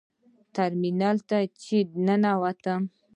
ټرمینل ته چې ننوتم.